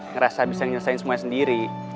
ngerasa bisa menyelesaikan semuanya sendiri